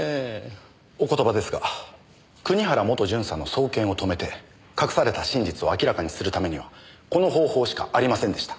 お言葉ですが国原元巡査の送検を止めて隠された真実を明らかにする為にはこの方法しかありませんでした。